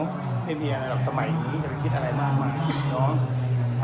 เขาไม่มีอะไรหลับสมัยนี้จะไปคิดอะไรมากมายเนอะ